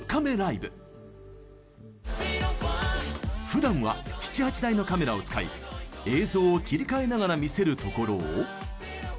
ふだんは７８台のカメラを使い映像を切り替えながら見せるところを。